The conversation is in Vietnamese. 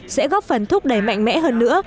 sẽ góp phần thúc đẩy mạnh mẽ hơn nữa